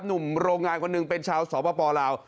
หนุ่มโรงงานคนหนึ่งเป็นชาวสปลาว